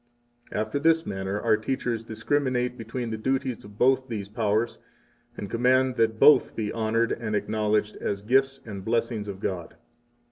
18 After this manner our teachers discriminate between the duties of both these powers, and command that both be honored and acknowledged as gifts and blessings of God.